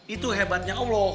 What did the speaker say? itu hebatnya allah